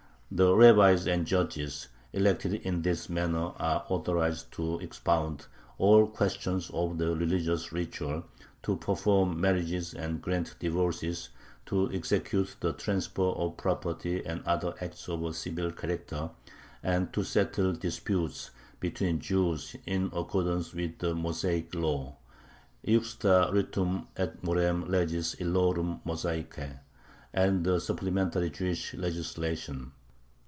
The rabbis and judges, elected in this manner, are authorized to expound all questions of the religious ritual, to perform marriages and grant divorces, to execute the transfer of property and other acts of a civil character, and to settle disputes between Jews in accordance with the "Mosaic law" (iuxta ritum et morem legis illorum Mosaicae) and the supplementary Jewish legislation.